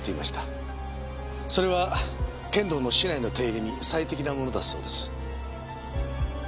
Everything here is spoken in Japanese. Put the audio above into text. それは剣道の竹刀の手入れに最適なものだそうです。